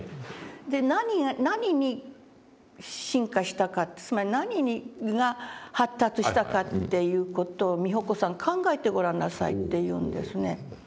で「何に進化したかつまり何が発達したかという事を美穂子さん考えてごらんなさい」って言うんですね。